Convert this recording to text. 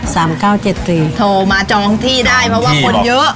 เก้าเจ็ดสี่โทรมาจองที่ได้เพราะว่าคนเยอะ